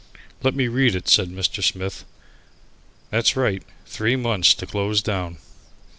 "Let me read it," said Mr. Smith, "that's right, three months to close down."